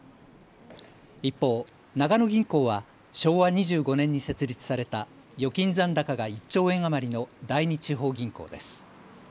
一方、長野銀行は昭和２５年に設立された預金残高が１兆円余りの第二地方銀行です。